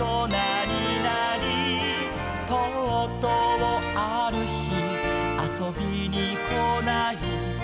「とうとうある日遊びに来ない」